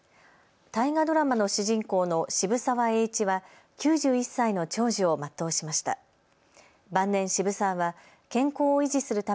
大河ドラマの主人公の渋沢栄一は９１歳の長寿を全うしました。